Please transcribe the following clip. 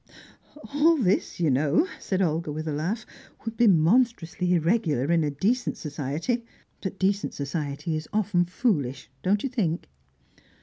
"All this, you know," said Olga, with a laugh, "would be monstrously irregular in decent society, but decent society is often foolish, don't you think?"